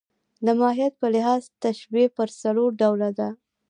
د ماهیت په لحاظ تشبیه پر څلور ډوله ده.